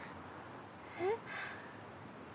えっ？